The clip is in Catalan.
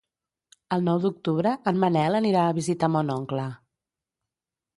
El nou d'octubre en Manel anirà a visitar mon oncle.